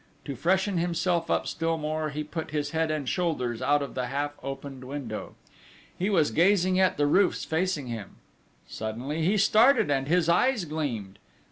To freshen himself up still more he put his head and shoulders out of the half opened window. He was gazing at the roofs facing him; suddenly he started, and his eyes gleamed.